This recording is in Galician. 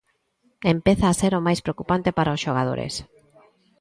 Empeza a ser o máis preocupante para os xogadores.